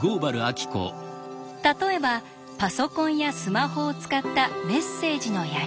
例えばパソコンやスマホを使ったメッセージのやり取り。